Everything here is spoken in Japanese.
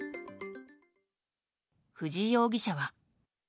藤井容疑者は。